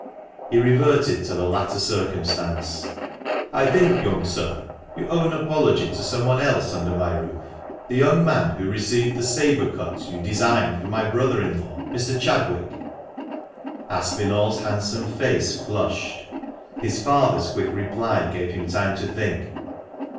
He reverted to the latter circumstance — THE MANCHESTER MAN. 247 " I think, young sir, you owe an apology to someone else under my roof — the young man who received the sabre cut you designed for my brother in law, Mr. Chadwick." Aspinall's handsome face flushed. His father's quick reply gave him time to think.